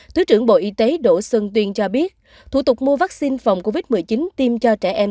thứ trưởng bộ y tế đỗ xuân tuyên cho biết thủ tục mua vaccine phòng covid một mươi chín tiêm cho trẻ em